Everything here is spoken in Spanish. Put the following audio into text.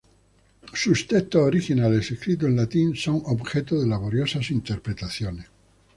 Sus textos originales, escritos en latín, son objeto de laboriosas interpretaciones.